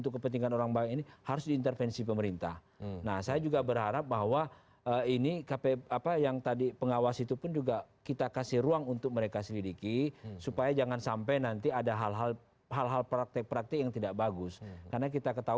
komite pengawas persaingan usaha